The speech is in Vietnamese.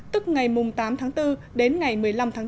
tức ngày mùng tám tháng bốn đến ngày mùng một mươi tháng năm